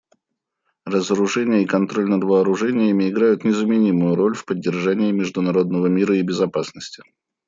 Разоружение и контроль над вооружениями играют незаменимую роль в поддержании международного мира и безопасности.